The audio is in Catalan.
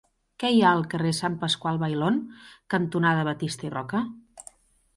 Què hi ha al carrer Sant Pasqual Bailón cantonada Batista i Roca?